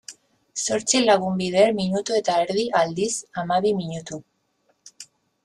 Zortzi lagun bider minutu eta erdi, aldiz, hamabi minutu.